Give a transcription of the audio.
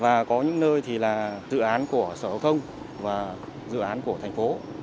và có những nơi thì là dự án của sở hữu thông và dự án của thành phố